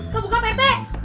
kebuka pak rete